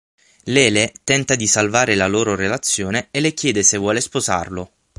Lele tenta di salvare la loro relazione e le chiede se vuole sposarlo.